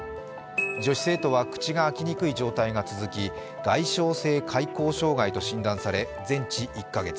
女子生徒は口が開きにくい状態が続き外傷性開口障害と診断され全治１か月。